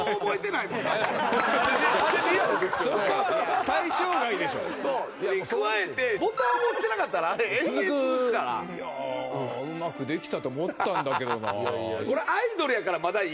いやうまくできたと思ったんだけどなあ。